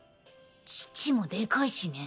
乳もでかいしね。